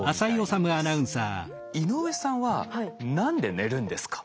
井上さんは何で寝るんですか？